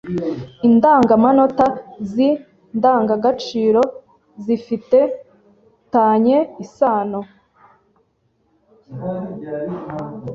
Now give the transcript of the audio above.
Indangamanota zi ndangagaciro zifi tanye isano